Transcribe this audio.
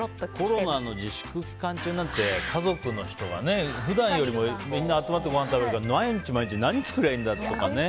コロナの自粛期間中なんて家族の人がね、普段よりもみんな集まってごはん食べるから毎日、何を作って食べればいいんだってね。